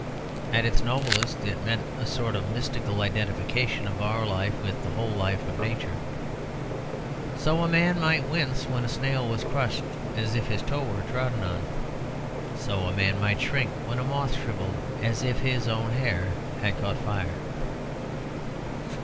At its noblest it meant a sort of mystical identification of our life with the whole life of nature. So a man might wince when a snail was crushed as if his toe were trodden on; so a man might shrink when a moth shrivelled as if his own hair had caught fire.